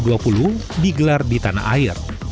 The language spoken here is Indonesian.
dan juga berharap bisa menang di tanah air